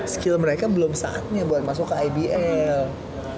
skill mereka belum saatnya buat masuk ke ibl